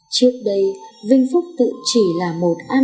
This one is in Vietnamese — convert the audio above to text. trước đây vinh phúc tự chỉ là một am nhỏ